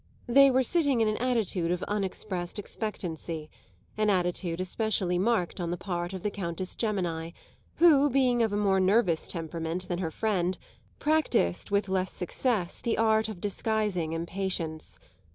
They were sitting in an attitude of unexpressed expectancy; an attitude especially marked on the part of the Countess Gemini, who, being of a more nervous temperament than her friend, practised with less success the art of disguising impatience.